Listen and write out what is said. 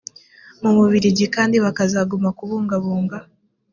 mu bubirigi kandi bakazaguma kubungabunga